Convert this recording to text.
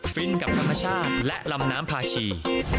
ฟินกับธรรมชาติและลำน้ำพาชี